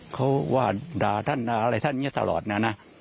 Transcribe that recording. เขาว่าดาร้านอะไรท่านนี่สะลอดนะนะ